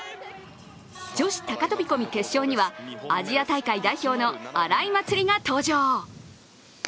女子高飛び込み決勝にはアジア大会代表の荒井祭里が登場。